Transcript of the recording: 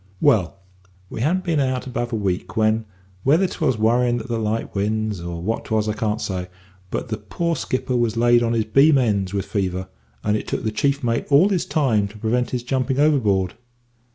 "Well, we hadn't been out above a week when, whether 'twas worryin' at the light winds, or what 'twas I can't say, but the poor skipper was laid on his beam ends with fever, and it took the chief mate all his time to prevent his jumping overboard.